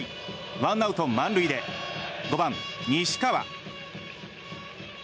ワンアウト満塁で５番、西川。